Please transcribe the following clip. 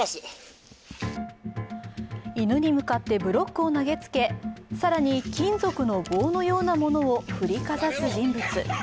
犬に向かってブロックを投げつけ更に金属の棒のようなものを振りかざす人物。